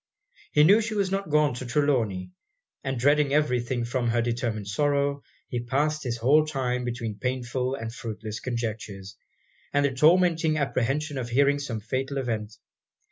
He knew she was not gone to Trelawny; and dreading every thing from her determined sorrow, he passed his whole time between painful and fruitless conjectures, and the tormenting apprehension of hearing of some fatal event.